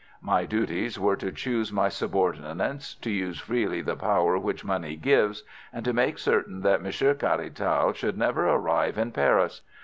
"My duties were to choose my subordinates, to use freely the power which money gives, and to make certain that Monsieur Caratal should never arrive in Paris.